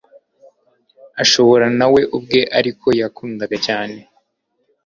Ashobora na we ubwe Ariko yakundaga cyane